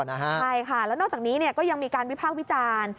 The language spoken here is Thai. ใช่ค่ะแล้วนอกจากนี้ก็ยังมีการวิพากษ์วิจารณ์